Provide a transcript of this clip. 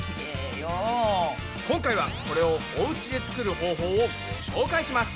今回はこれをおうちで作る方法をご紹介します！